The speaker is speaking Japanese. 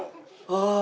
ああ！